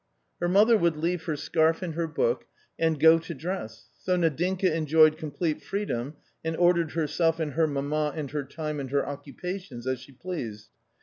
Her mother would leave her scarf and her book, and go to dress. So Nadinka enjoyed complete freedom and ordered herself and her mamma and her time and her occu pations as she pleased.